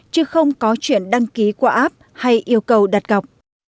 chứ không có chuyện đăng ký qua app hay yêu cầu đặt cọc